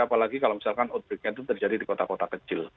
apalagi kalau misalkan outbreaknya itu terjadi di kota kota kecil